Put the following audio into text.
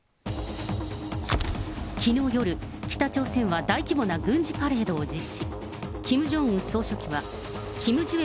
きのう夜、北朝鮮は大規模な軍事パレードを実施。